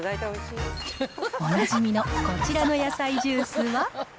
おなじみのこちらの野菜ジュースは。